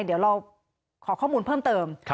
เดี๋ยวเราขอข้อมูลเพิ่มเติม